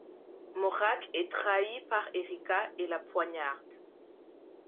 Morag est trahie par Erika et la poignarde.